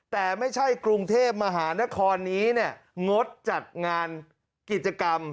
แต่ไม่ใช่กรุงเทพมหานครนี้กิจกรรม